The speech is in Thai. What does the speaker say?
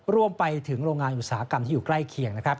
รวมไปถึงโรงงานอุตสาหกรรมที่อยู่ใกล้เคียงนะครับ